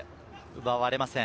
奪われません。